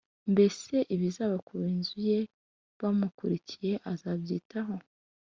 mbese ibizaba ku b’inzu ye bamukurikiye azabyitaho,